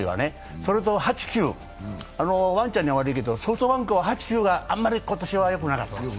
それと８・９、ワンちゃんには悪いけどソフトバンクは８・９がよくなかった。